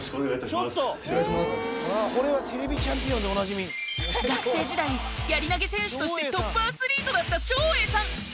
「これは『ＴＶチャンピオン』でおなじみ」学生時代やり投げ選手としてトップアスリートだった照英さん。